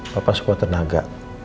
papa sekuat tenaga